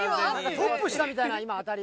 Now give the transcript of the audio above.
トップしたみたいな今当たり。